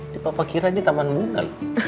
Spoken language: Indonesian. di papa kira ini taman bunga